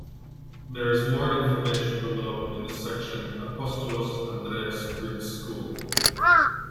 There is more information below in the section Apostolos Andreas Greek School.